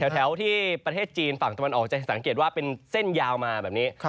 แถวที่ประเทศจีนฝั่งตะวันออกจะสังเกตว่าเป็นเส้นยาวมาแบบนี้